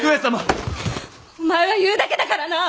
お前は言うだけだからな！